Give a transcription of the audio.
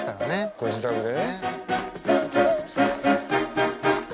ご自宅でね。